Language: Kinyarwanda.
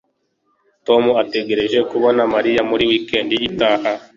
tom ategereje kubona mariya muri wikendi itaha